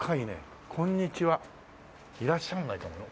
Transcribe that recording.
いらっしゃらないかもよ？